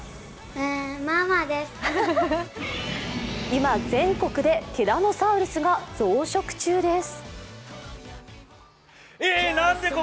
今、全国でティラノサウルスが増殖中です。